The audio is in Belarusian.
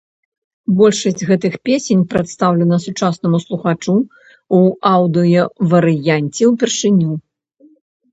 Большасць гэтых песень прадстаўлена сучаснаму слухачу ў аўдыёварыянце ўпершыню.